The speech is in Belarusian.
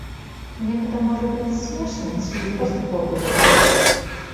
Мне гэта можа быць смешна ці проста пофігу.